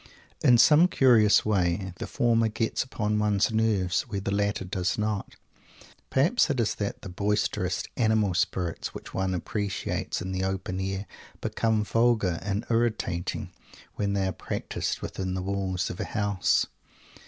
In some curious way the former gets upon one's nerves where the latter does not. Perhaps it is that the boisterous animal spirits which one appreciates in the open air become vulgar and irritating when they are practised within the walls of a house.